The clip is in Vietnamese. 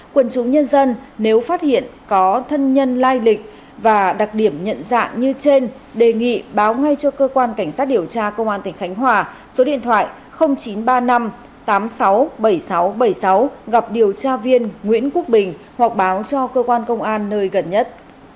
quân chúng nhân dân nếu phát hiện có thân nhân lai lịch và đặc điểm nhận dạng như trên đề nghị báo ngay cho cơ quan cảnh sát điều tra công an tỉnh khánh hòa số điện thoại chín trăm ba mươi năm tám mươi sáu bảy nghìn sáu trăm bảy mươi sáu gặp điều tra viên nguyễn quốc bình hoặc báo cho cơ quan công an nơi gần nhất